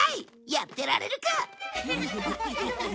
やってられるか！